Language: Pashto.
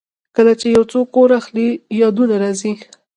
کله چې یو څوک کور اخلي، یادونه راځي.